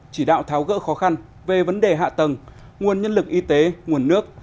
chỉ đạo tháo gỡ khó khăn về vấn đề hạ tầng nguồn nhân lực y tế nguồn nước